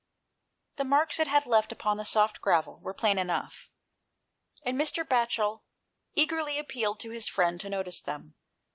The marks it had left upon the soft gravel were plain enough, and Mr. Batchel eagerly appealed to his friend to notice them.